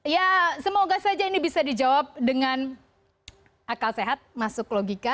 ya semoga saja ini bisa dijawab dengan akal sehat masuk logika